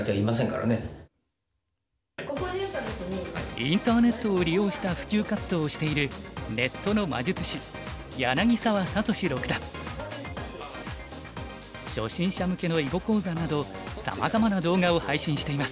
インターネットを利用した普及活動をしている初心者向けの囲碁講座などさまざまな動画を配信しています。